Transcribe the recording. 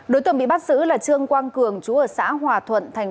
đối tượng bị bắt giữ là trương quang cường chú ở xã hòa thuận